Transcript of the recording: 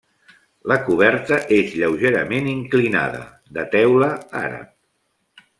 La coberta és lleugerament inclinada, de teula àrab.